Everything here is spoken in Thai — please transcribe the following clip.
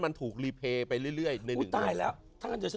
ปรีเพย์ไปเรื่อย